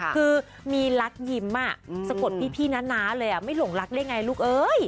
คือมีรักยิ้มสะกดพี่น้าเลยไม่หลงรักได้ไงลูกเอ้ย